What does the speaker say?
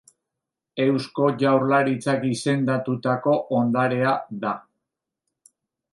Eusko Jaurlaritzak izendatutako ondarea da.